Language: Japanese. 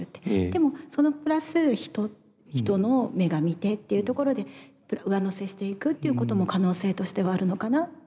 でもそのプラス人の目が見てっていうところで上乗せしていくっていうことも可能性としてはあるのかなっていうふうに。